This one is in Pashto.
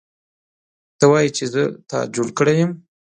ته وایې چې زه تا جوړ کړی یم